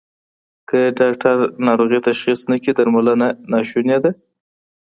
که ډاکټر ناروغي تشخیص نه کړي درملنه ناسونې ده.